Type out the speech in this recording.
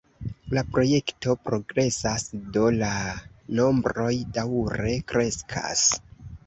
La projekto progresas, do la nombroj daŭre kreskas.